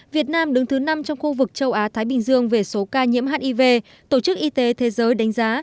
việt nam đứng thứ năm trong khu vực châu á thái bình dương về số ca nhiễm hiv tổ chức y tế thế giới đánh giá